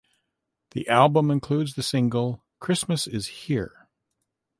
The album includes the single "Christmas Is Here".